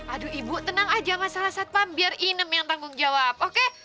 aduh ibu tenang aja malah biar inem yang tanggung jawab okey